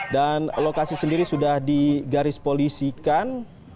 dan lokasi sendiri sudah digaris polisikan